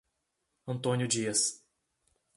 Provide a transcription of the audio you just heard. Antônio Dias